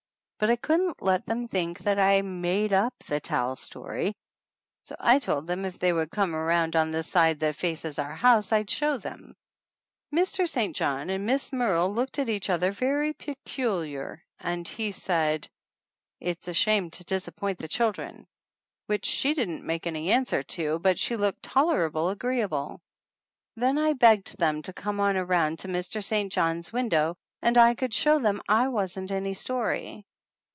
But I couldn't let them think that I had made up the towel story, so I told them if they would come around on the side that faces our house I'd show them. Mr. St. John and Miss Merle looked at each other very peculiar and he said : "It's a shame to disappoint the children!" which she didn't make any answer to, but she looked tolerable agreeable. Then I begged them to come on around to Mr. St. John's win dow and I could show them I wasn't any story.